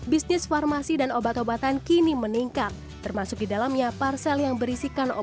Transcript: bisnis farmasi dan obat obatan kini menilai